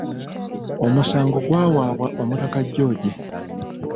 Omusango gwawaabwa Omutaka George.